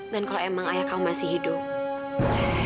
dan kalau emang ayah kamu masih hidup